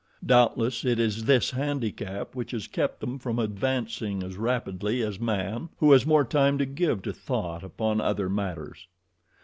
Doubtless it is this handicap which has kept them from advancing as rapidly as man, who has more time to give to thought upon other matters.